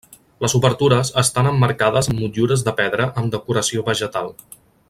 Les obertures estan emmarcades amb motllures de pedra amb decoració vegetal.